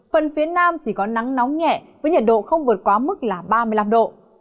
phần phía nam chỉ có nắng nóng nhẹ với nhiệt độ không vượt quá mức là ba mươi năm độ